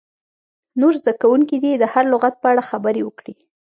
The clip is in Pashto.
نور زده کوونکي دې د هر لغت په اړه خبرې وکړي.